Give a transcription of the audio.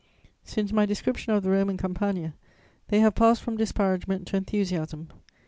Since my description of the Roman Campagna, they have passed from disparagement to enthusiasm.